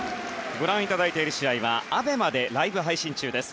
ご覧いただいている試合はＡＢＥＭＡでライブ配信中です。